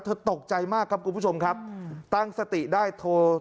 ตกใจมากครับคุณผู้ชมครับตั้งสติได้โทร